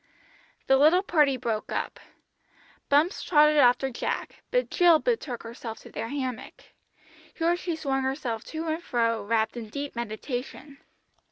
The little party broke up. Bumps trotted after Jack, but Jill betook herself to their hammock. Here she swung herself to and fro wrapped in deep meditation.